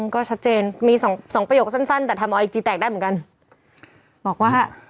ก็ชัดเจนมี๒ประโยคสั้นแต่ทำออกอีก๙ทีได้เหมือนกัน